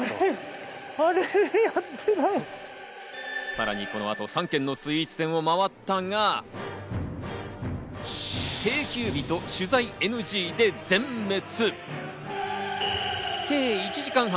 さらにこの後、３軒のスイーツ店を回ったが、定休日と取材ＮＧで全滅。